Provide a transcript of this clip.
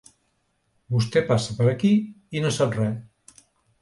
Vostè passa per aquí i no sap res.